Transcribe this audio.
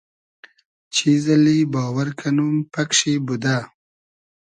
چیز اللی باوئر کئنوم پئگ شی بودۂ